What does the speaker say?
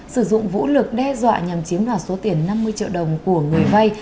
sử dụng vũ lực đe dọa nhằm chiếm đoạt số tiền năm mươi triệu đồng của người vay